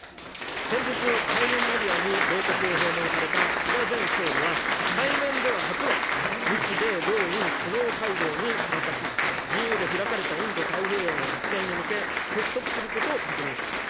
先日、退任間際に米国を訪問された菅前総理は、対面では初の日米豪印首脳会合に参加し、自由で開かれたインド太平洋の実現に向け、結束することを確認しました。